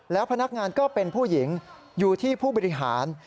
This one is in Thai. แล้วพนักงานก็เป็นผู้หญิงอยู่ที่ผู้บริหาร